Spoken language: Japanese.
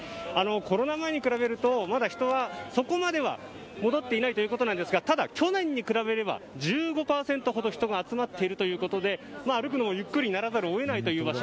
コロナ前に比べるとまだ人はそこまでは戻っていないということですがただ、去年に比べれが１５％ほど人が集まっているということで歩くのもゆっくりならざるを得ない場所。